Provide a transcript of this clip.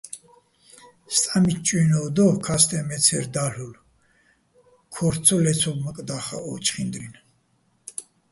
სტამიჩ ჭუ́ინოვ დო, ქასტეჼ მე ცე́რ დალ'ულო̆, ქო́რთო̆ ცო ლე́ცობმაკ და́ხაჸ ო ჩხინდრინ.